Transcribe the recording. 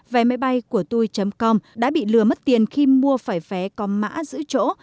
vé máy bay của tôi com đã bị lừa mất tiền khi mua phải vé có mã giữ chỗ